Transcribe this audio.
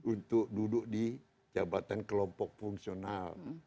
untuk duduk di jabatan kelompok fungsional